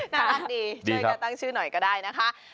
น่ารักดีช่วยกันตั้งชื่อหน่อยก็ได้นะคะ